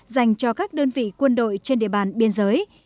dành cho các đơn vị quân đội trên địa bàn biên giới